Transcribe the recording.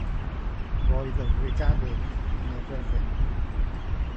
Roedd yn Frigadydd yn y fyddin.